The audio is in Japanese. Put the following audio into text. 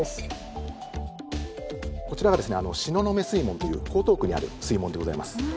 こちらがですね東雲水門という江東区にある水門でございます。